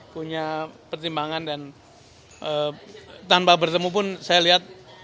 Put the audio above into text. punya pertimbangan dan tanpa bertemu pun saya lihat